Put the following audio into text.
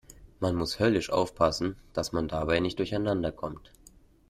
Man muss höllisch aufpassen, dass man dabei nicht durcheinander kommt.